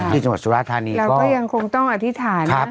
ที่จังหวัดสุราชภาณีก็เราก็ยังคงต้องอธิษฐานนะ